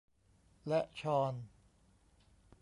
และฌอน